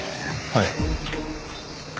はい。